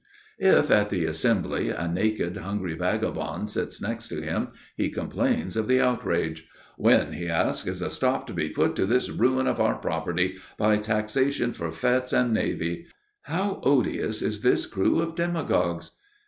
If, at the Assembly, a naked, hungry vagabond sits next to him, he complains of the outrage. "When," he asks, "is a stop to be put to this ruin of our property by taxation for fêtes and navy? How odious is this crew of demagogues!